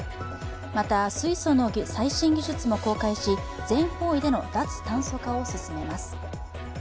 また、水素の最新技術も公開し、全方位での脱炭素化を進めます。